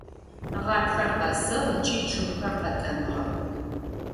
Гъатхэр къэсыгъ, ыкӏи чъыгхэр къэтӏэмыгъэх.